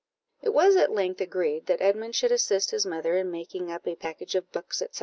It was at length agreed that Edmund should assist his mother in making up a package of books, &c.